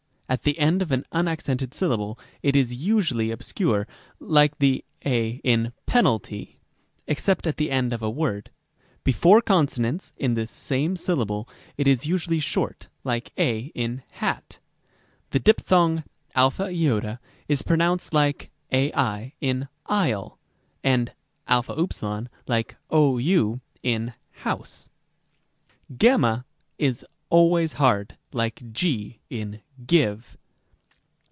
At the end of an unac cented syllable * it is usually obscure, like the a in penalty, except at the end of a word. 'Before consonants in the same syllable it is usually short, like a in hat. The diphthong a is pronounced lik ai in aisle, and av like ow in house. 3 3 Rem.c. y is always hard, like g in give.